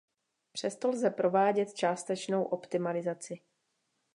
Přesto lze provádět částečnou optimalizaci.